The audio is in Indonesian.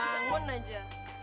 shhh adek bangun aja